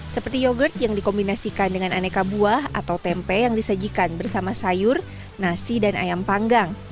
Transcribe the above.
seperti yogurt yang dikombinasikan dengan aneka buah atau tempe yang disajikan bersama sayur nasi dan ayam panggang